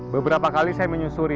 beberapa kali saya menyusuri